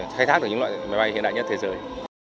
khai thác được những loại máy bay hiện đại nhất thế giới